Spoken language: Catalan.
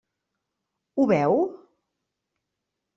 Ho veu?